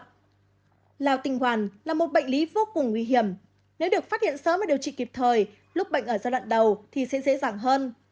lao tinh hoàn là một bệnh lý vô cùng nguy hiểm nếu được phát hiện sớm và điều trị kịp thời lúc bệnh ở giai đoạn đầu thì sẽ dễ dàng hơn